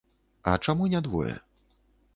А чаму не двое?